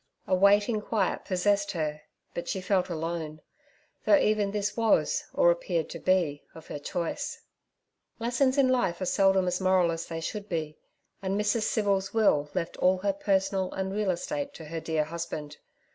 A waiting quiet possessed her, but she felt alone, though even this was, or appeared to be, of her choice. Lessons in life are seldom as moral as they should be, and Mrs. Civil's will left all her personal and real estate to her dear husband.